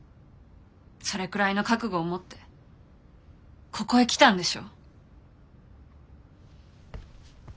それくらいの覚悟を持ってここへ来たんでしょ。